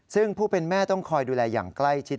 ซึ่งผู้เป็นแม่ต้องคอยดูแลอย่างใกล้ชิด